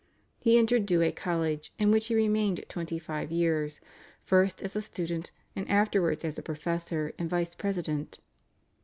He entered Douay College, in which he remained twenty five years, first as a student and afterwards as a professor, and vice president.